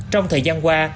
trong thời gian qua